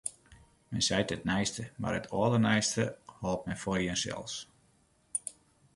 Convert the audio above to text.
Men seit it neiste, mar it alderneiste hâldt men foar jinsels.